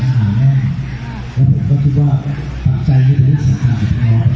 ทั้งประเทศทั่วประเทศนะครับ